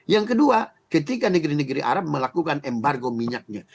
yang kedua ketika negeri negeri arab melakukan embargo minyaknya